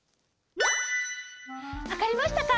わかりましたか？